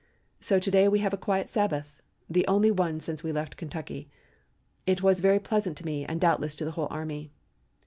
So to day we have a quiet Sabbath, the only one since we left Kentucky. It is very pleasant to me and doubtless is to the whole army."